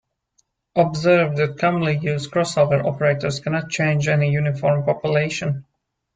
Observe that commonly used crossover operators cannot change any uniform population.